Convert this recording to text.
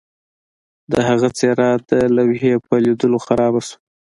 د هغه څیره د لوحې په لیدلو خرابه شوه